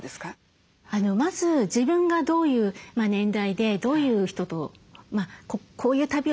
まず自分がどういう年代でどういう人とこういう旅をしたい。